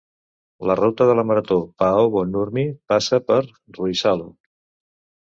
La ruta de la marató Paavo Nurmi passa per Ruissalo.